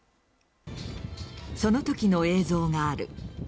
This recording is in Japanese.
そのときの映像がある。